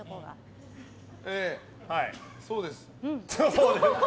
そうです？